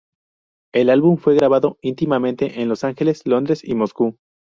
El álbum fue grabado íntimamente en Los Ángeles, Londres y Moscú.